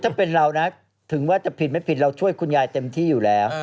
ถ้าเป็นเรานะถึงว่าจะผิดไม่ผิดเราช่วยคุณยายเต็มที่อยู่แล้ว